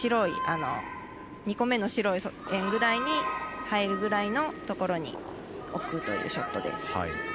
２個目の白い円ぐらいに入るぐらいのところに置くというショットです。